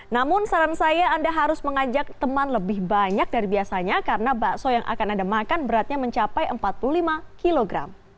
namun saran saya anda harus mengajak teman lebih banyak dari biasanya karena bakso yang akan anda makan beratnya mencapai empat puluh lima kg